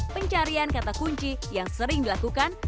pencarian kata kunci yang sering dilakukan